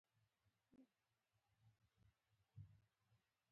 مورخینو له بې احتیاطی څخه کار اخیستی وي.